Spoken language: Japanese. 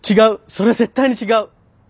それ絶対に違う！